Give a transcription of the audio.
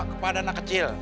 kepada anak kecil